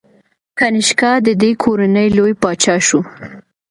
کنیشکا د دې کورنۍ لوی پاچا شو